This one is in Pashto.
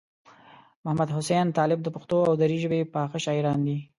محمدحسین طالب د پښتو او دري ژبې پاخه شاعران دي.